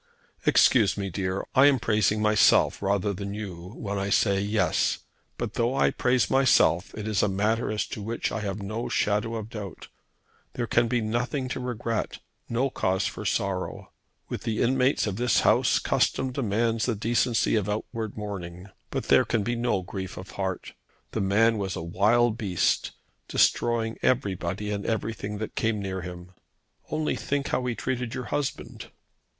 "Excuse me, dear. I am praising myself rather than you when I say, yes. But though I praise myself it is a matter as to which I have no shadow of doubt. There can be nothing to regret, no cause for sorrow. With the inmates of this house custom demands the decency of outward mourning; but there can be no grief of heart. The man was a wild beast, destroying everybody and everything that came near him. Only think how he treated your husband."